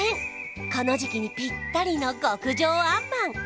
この時期にピッタリの極上あんまん